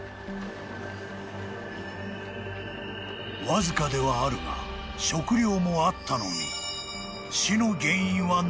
［わずかではあるが食料もあったのに］